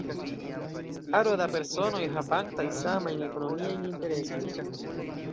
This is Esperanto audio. Aro da personoj havantaj samajn ekonomiajn interesojn.